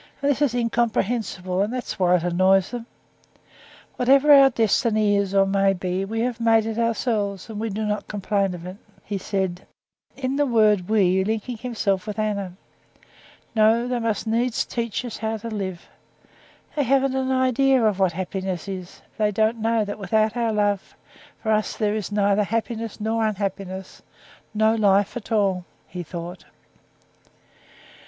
And this is incomprehensible, and that's why it annoys them. Whatever our destiny is or may be, we have made it ourselves, and we do not complain of it," he said, in the word we linking himself with Anna. "No, they must needs teach us how to live. They haven't an idea of what happiness is; they don't know that without our love, for us there is neither happiness nor unhappiness—no life at all," he thought.